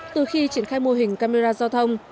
từ khi triển khai mô hình camera giao thông